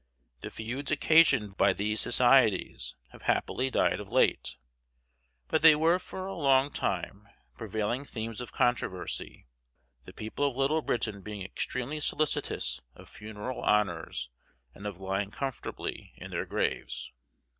The feuds occasioned by these societies have happily died of late; but they were for a long time prevailing themes of controversy, the people of Little Britain being extremely solicitous of funeral honors and of lying comfortably in their graves.